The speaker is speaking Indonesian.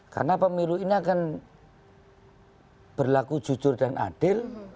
karena pemilu ini akan berlaku jujur dan adil